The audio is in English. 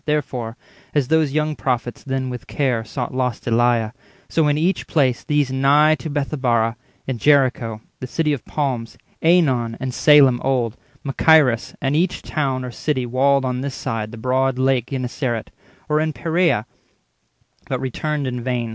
Therefore, as those young prophets then with care Sought lost Eliah, so in each place these Nigh to Bethabara—in Jericho 20 The city of palms, AEnon, and Salem old, Machaerus, and each town or city walled On this side the broad lake Genezaret, Or in Peraea—but returned in vain.